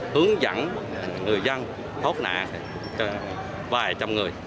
hướng dẫn người dân thốt nạn thì vài trăm người